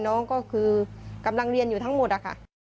น้องก็คือกำลังเรียนอยู่ทั้งหมดอะค่ะ